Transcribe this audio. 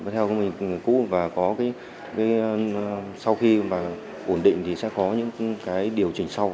theo công nghệ cũ và có cái sau khi mà ổn định thì sẽ có những cái điều chỉnh sau